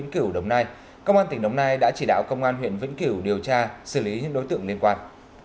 công an tỉnh đồng nai đã chỉ đạo công an huyện vĩnh cửu điều tra xử lý những đối tượng liên quan